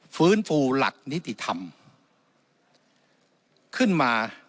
ฟื้นฟูหลักนิติธรรมขึ้นมา